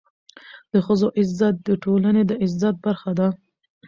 د ښځو عزت د ټولني د عزت برخه ده.